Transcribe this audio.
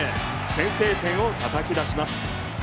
先制点を叩き出します。